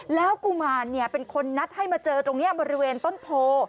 แล้วกุมารเป็นคนนัดให้มาเจอตรงนี้บริเวณต้นโพ